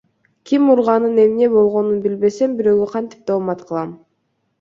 Ким урганын, эмне болгонун билбесем, бирөөгө кантип доомат кылам?